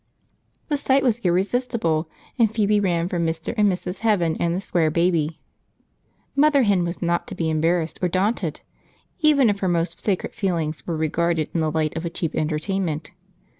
The sight was irresistible, and Phoebe ran for Mr. and Mrs. Heaven and the Square Baby. Mother Hen was not to be embarrassed or daunted, even if her most sacred feelings were regarded in the light of a cheap entertainment.